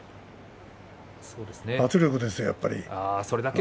圧力ですよ。